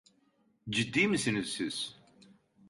Ciddi misiniz siz?